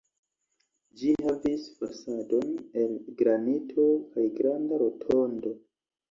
Ĝi havis fasadon el granito kaj granda rotondo.